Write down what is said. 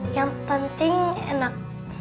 yang penting enak